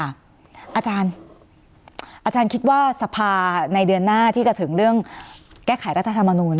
อาจารย์คิดว่าสภาในเดือนหน้าที่จะถึงเรื่องแก้ไขรัฐธรรมนูล